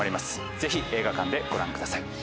ぜひ映画館でご覧ください。